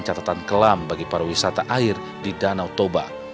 catatan kelam bagi para wisata air di danau toba